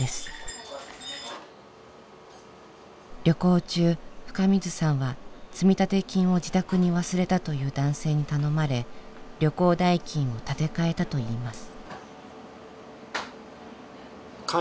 旅行中深水さんは積立金を自宅に忘れたという男性に頼まれ旅行代金を立て替えたといいます。